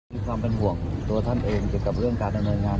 มีความเป็นห่วงตัวท่านเองเกี่ยวกับเรื่องการดำเนินงาน